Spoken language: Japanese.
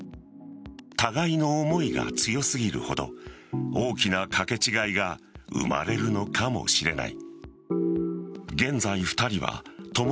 互いの思いが強すぎるほど大きな掛け違いが生まれるのかもしれない。